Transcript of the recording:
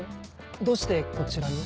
どうしてこちらに？